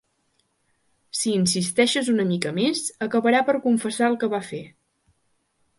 Si insisteixes una mica més, acabarà per confessar el que va fer.